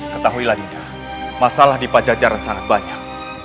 ketahuilah dinda masalah di pajajaran sangat banyak